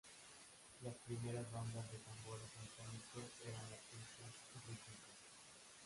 Las primeras bandas de tambores metálicos eran orquestas rítmicas.